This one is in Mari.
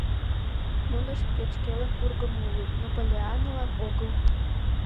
Нунышт кеч-кӧлан ургымо улыт, но Поллианналан огыл.